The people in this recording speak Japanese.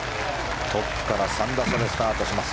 トップから３打差でスタートします。